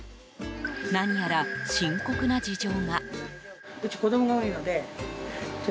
何やら深刻な事情が。